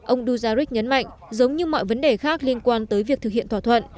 ông duzaric nhấn mạnh giống như mọi vấn đề khác liên quan tới việc thực hiện thỏa thuận